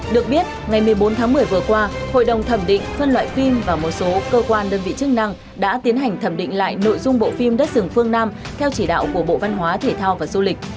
được biết ngày một mươi bốn tháng một mươi vừa qua hội đồng thẩm định phân loại phim và một số cơ quan đơn vị chức năng đã tiến hành thẩm định lại nội dung bộ phim đất rừng phương nam theo chỉ đạo của bộ văn hóa thể thao và du lịch